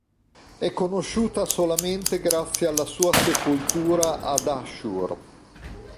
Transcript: È conosciuta solamente grazie alla sua sepoltura a Dahshur.